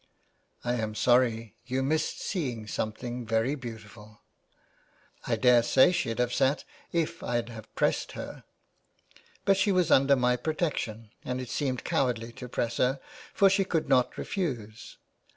" I'm sorry ; you missed seeing something very beautiful." " I daresay she'd have sat if I'd have pressed her, 404 THE WAY BACK. but she was under my protection, and it seemed cowardly to press her, for she could not refuse.